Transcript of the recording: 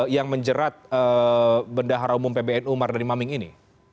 yang menjerat bendahara umum pbnu mardani maming ini